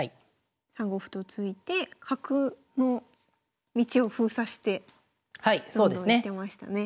３五歩と突いて角の道を封鎖してどんどんいってましたね。